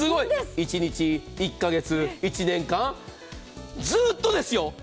一日、１か月、１年間ずっとですよ。